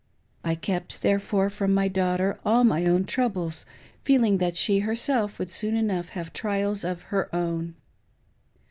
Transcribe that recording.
I kept, therefore, from my daughter all my own troubles, feel ing that she herself would soon enough have trials of her own.